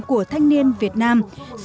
của thanh niên việt nam